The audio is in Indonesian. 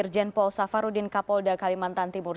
irjen paul safarudin kapolda kalimantan timur